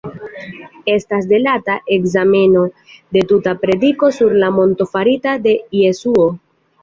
Estas detala ekzameno de tuta prediko sur la monto farita de Jesuo.